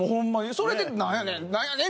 それでなんやねん！